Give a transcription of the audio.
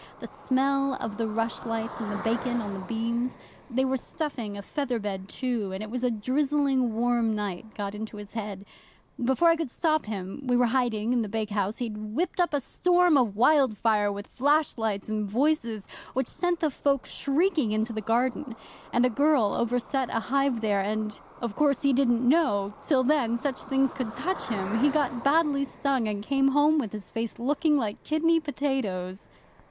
The smell of the rushlights and the bacon on the beams they were stuffing a feather bed too, and it was a drizzling warm night got into his head. Before I could stop him we were hiding in the bakehouse he'd whipped up a storm of wildfire, with flashlights and voices, which sent the folk shrieking into the garden, and a girl overset a hive there, and of course he didn't know till then such things could touch him he got badly stung, and came home with his face looking like kidney potatoes!